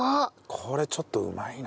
これちょっとうまいな。